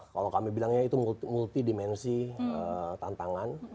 kalau kami bilangnya itu multi dimensi tantangan